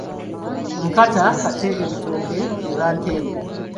Nkata ate ebitooke eba ntembo.